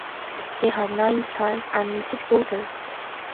They had nine sons and six daughters.